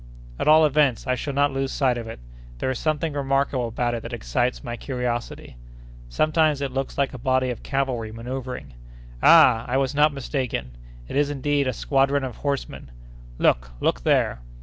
"At all events I shall not lose sight of it. There is something remarkable about it that excites my curiosity. Sometimes it looks like a body of cavalry manœuvring. Ah! I was not mistaken. It is, indeed, a squadron of horsemen. Look—look there!"